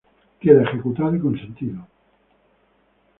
Queda ejecutado y consentida.